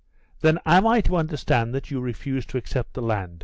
"Then am I to understand that you refuse to accept the land?"